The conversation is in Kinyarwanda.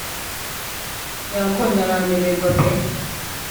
yambonye aranyoberwa pe